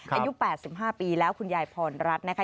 อายุ๘๕ปีแล้วคุณยายพรรัฐนะคะ